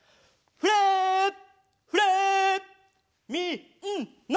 フレッフレッみんな！